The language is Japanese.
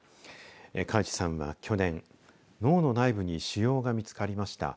海智さんは去年脳の内部に腫瘍が見つかりました。